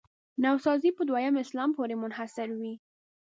نوسازي په دویم اسلام پورې منحصروي.